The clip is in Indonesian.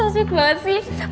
pasti martabaknya mahal ya